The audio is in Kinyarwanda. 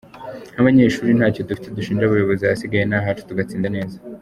Nk’abanyeshuri ntacyo dufite dushinja abayobozi, ahasigaye ni ahacu tugatsinda neza.